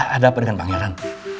ada apa dengan pangeran